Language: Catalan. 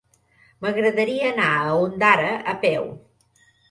M'agradaria anar a Ondara a peu.